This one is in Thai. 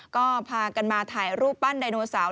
ก็พากันมาถ่ายรูปปั้นไดโนเสาร์